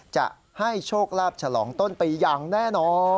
จะให้โชคลาภฉลองต้นปีอย่างแน่นอน